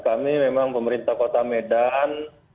kami memang pemerintah kota medan